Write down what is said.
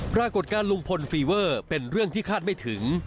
ปรากฏการณ์ลุงพลฟีเวอร์เป็นเรื่องที่คาดไม่ถึง